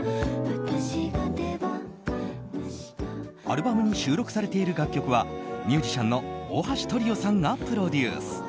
アルバムに収録されている楽曲はミュージシャンの大橋トリオさんがプロデュース。